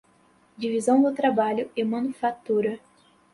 Divisão do trabalho e manufactura